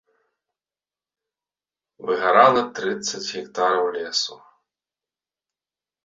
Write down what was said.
Выгарала трыццаць гектараў лесу.